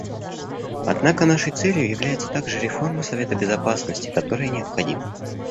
Однако нашей целью является также реформа Совета Безопасности, которая необходима.